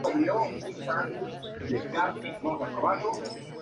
Sus libros de cuentos han sido publicados en Montevideo, Buenos Aires, Madrid y Bilbao.